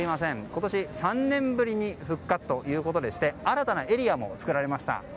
今年、３年ぶりに復活ということでして新たなエリアも作られました。